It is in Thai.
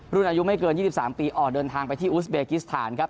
รุ่นอายุไม่เกิน๒๓ปีออกเดินทางไปที่อุสเบกิสถานครับ